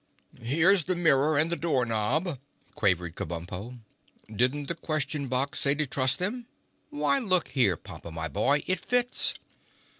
"Here's the mirror and the door knob," quavered Kabumpo. "Didn't the Question Box say to trust them? Why, look here, Pompa, my boy, it fits!"